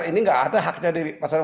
ini gak ada haknya di pasal lima puluh satu